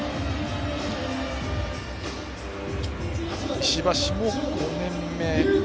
石橋も５年目。